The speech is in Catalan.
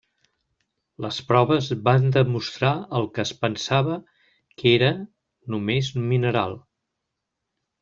Les proves van demostrar el que es pensava que era només mineral.